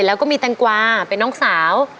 แล้วก็มีแตงกวาเป็นน้องสาว